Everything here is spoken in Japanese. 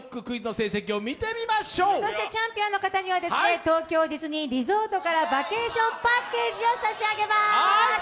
チャンピオンの方には東京ディズニーリゾートからバケーションパッケージを差し上げます。